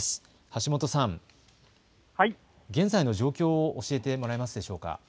橋本さん、現在の状況を教えてもらえますか。